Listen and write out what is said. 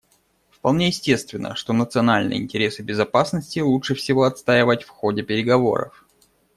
Вполне естественно, что национальные интересы безопасности лучше всего отстаивать в ходе переговоров.